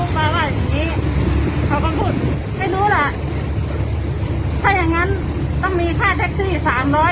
ป้าว่าอย่างงี้เขาก็พูดไม่รู้ล่ะถ้าอย่างงั้นต้องมีค่าแท็กซี่สามร้อย